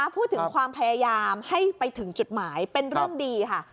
พูดถึงความพยายามให้ไปถึงจุดหมายเป็นเรื่องดีค่ะ